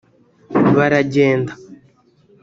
baragenda